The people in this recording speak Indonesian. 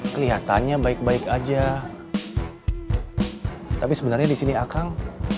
kelihatannya baik baik aja tapi sebenarnya di sini akang